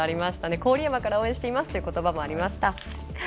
郡山から応援していますということばもありました。